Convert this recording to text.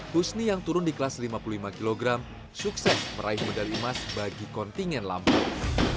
husni yang turun di kelas lima puluh lima kg sukses meraih medali emas bagi kontingen lampung